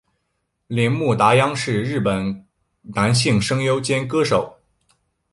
铃木达央是日本的男性声优兼歌手。